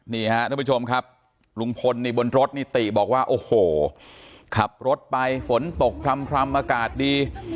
นี่ครับทุกผู้ชมครับลุงพลบนรถนี่ตีบอกว่าโอ้โหขับรถไปฝนตกคล่ำอากาศดี